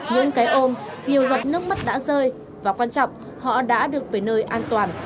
những cái ôm nhiều giọt nước mắt đã rơi và quan trọng họ đã được về nơi an toàn